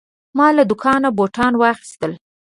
ما له دوکانه بوتان واخیستل.